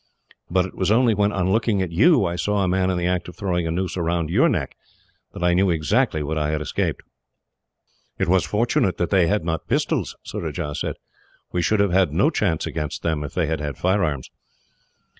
But it was only when, on looking at you, I saw a man in the act of throwing a noose round your neck, that I knew exactly what I had escaped." "It was fortunate that they had not pistols," Surajah said. "We should have had no chance against them, if they had had firearms."